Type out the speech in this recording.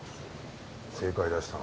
正解出したの。